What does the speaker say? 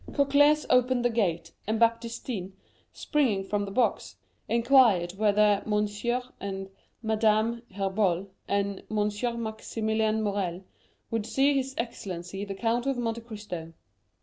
Cocles opened the gate, and Baptistin, springing from the box, inquired whether Monsieur and Madame Herbault and Monsieur Maximilian Morrel would see his excellency the Count of Monte Cristo.